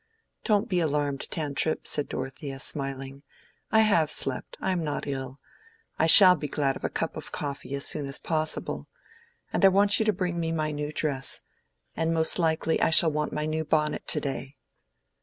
"Don't be alarmed, Tantripp," said Dorothea, smiling. "I have slept; I am not ill. I shall be glad of a cup of coffee as soon as possible. And I want you to bring me my new dress; and most likely I shall want my new bonnet to day."